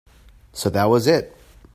So that was it.